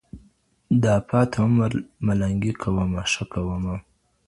دا پاته عمر ملنګي کوومه ښه کوومه